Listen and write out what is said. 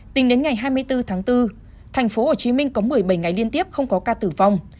tính đến ngày hai mươi bốn tháng bốn tp hcm có một mươi bảy ngày liên tiếp không có ca tử vong